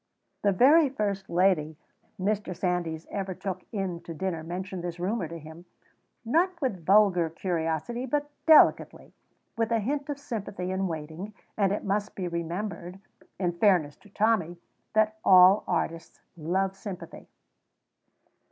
The very first lady Mr. Sandys ever took in to dinner mentioned this rumour to him, not with vulgar curiosity, but delicately, with a hint of sympathy in waiting, and it must be remembered, in fairness to Tommy, that all artists love sympathy.